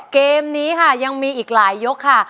เกมนี้ค่ะยังมีอีกหลายยกค่ะ